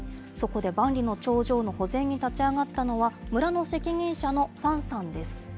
そこで万里の長城の保全に立ち上がったのは、村の責任者のファンさんです。